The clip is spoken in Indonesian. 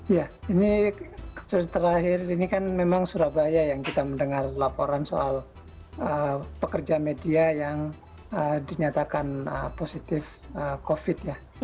ya ini terakhir ini kan memang surabaya yang kita mendengar laporan soal pekerja media yang dinyatakan positif covid ya